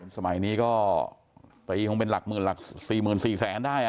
สมัยนี้ก็ตัวนี้คงเป็นหลักหมื่นหลักสี่หมื่นสี่แสนได้นะ